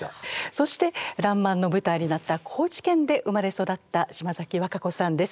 そして「らんまん」の舞台になった高知県で生まれ育った島崎和歌子さんです。